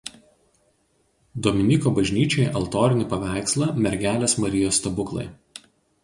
Dominyko bažnyčiai altorinį paveikslą „Mergelės Marijos stebuklai“.